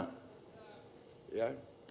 kita banyak kekurangan